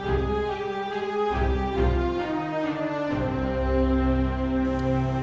dan aku juga harus belajar percaya sama dia dong mak